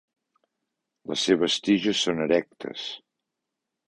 Les seves tiges són erectes.